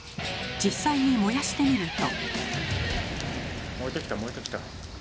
実際に燃やしてみると。